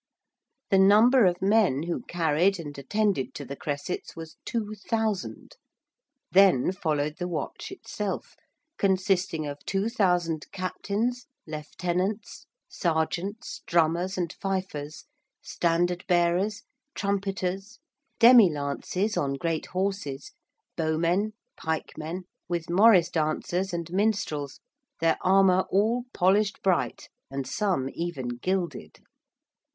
The number of men who carried and attended to the cressets was two thousand. Then followed the Watch itself, consisting of two thousand captains, lieutenants, sergeants, drummers and fifers, standard bearers, trumpeters, demilances on great horses, bowmen, pikemen, with morris dancers and minstrels their armour all polished bright and some even gilded.